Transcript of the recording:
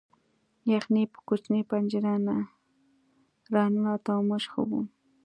یخني په کوچنۍ پنجره نه راننوته او موږ ښه وو